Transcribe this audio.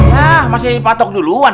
yah masih patok duluan